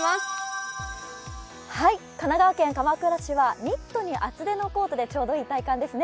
神奈川県鎌倉市はニットに厚手のコートでちょうどいい体感ですね。